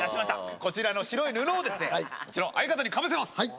こちらの白い布をうちの相方にかぶせます。